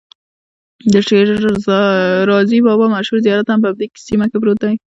د شیرازي بابا مشهور زیارت هم په همدې سیمه کې پروت دی.